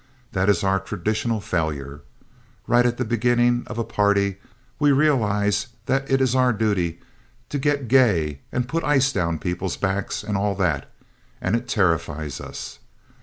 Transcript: That is our traditional failure. Right at the beginning of a party we realize that it is our duty to get gay and put ice down people's backs and all that, and it terrifies us.